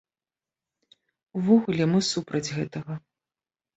Увогуле, мы супраць гэтага.